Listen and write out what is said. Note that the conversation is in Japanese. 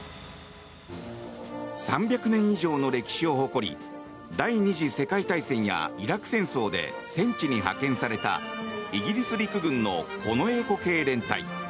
３００年以上の歴史を誇り第２次世界大戦やイラク戦争で戦地に派遣されたイギリス陸軍の近衛歩兵連隊。